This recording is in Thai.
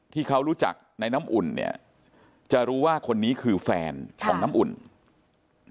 ที่เขารู้จักในน้ำอุ่นเนี่ยจะรู้ว่าคนนี้คือแฟนของน้ำอุ่น